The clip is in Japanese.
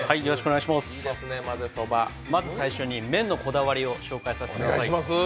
まず最初に、麺のこだわりを紹介させてください。